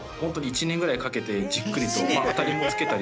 １年ぐらいかけてじっくりと。